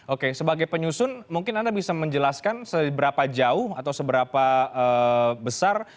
oke sebagai penyusun mungkin anda bisa menjelaskan seberapa jauh atau seberapa besar